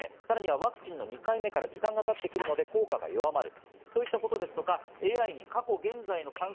ワクチンの２回目から時間が経ってくるので効果が弱まってくる。